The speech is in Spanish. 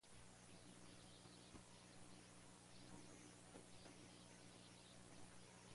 Por otra parte, busca integrar lo sustentable como las paredes verdes en sus proyectos.